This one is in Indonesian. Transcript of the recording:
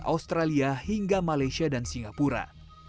australia hingga malaysia dan singapura